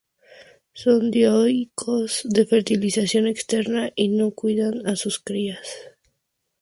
Son dioicos, de fertilización externa y no cuidan a sus crías.